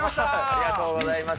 ありがとうございます。